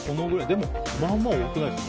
でも、まあまあ多くないですか。